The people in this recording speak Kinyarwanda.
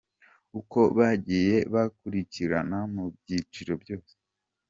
Uko bagiye bakurikirana mu byiciro byose.